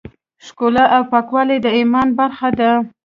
ښکلا او پاکوالی د ایمان برخه ده.